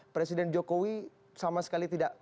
presiden jokowi sama sekali tidak